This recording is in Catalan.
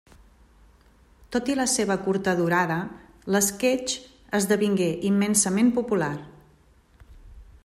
Tot i la seva curta durada, l'esquetx esdevingué immensament popular.